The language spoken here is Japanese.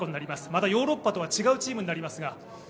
またヨーロッパとは違うチームになりますが。